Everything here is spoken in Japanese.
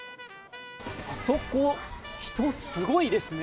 あそこ、人すごいですね。